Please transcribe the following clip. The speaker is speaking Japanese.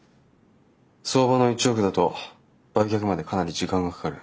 相場の１億だと売却までかなり時間がかかる。